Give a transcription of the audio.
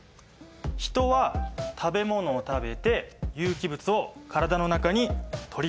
ヒトは食べ物を食べて有機物を体の中に取り入れる。